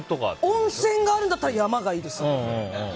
温泉があるんだったら山がいいですよ。